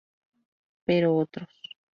Pero otros.